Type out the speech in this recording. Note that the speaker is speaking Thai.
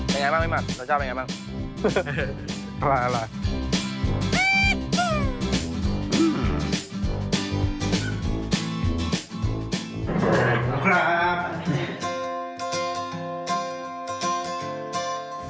เป็นอย่างไรบ้างพี่หมัดรสชาติเป็นอย่างไรบ้าง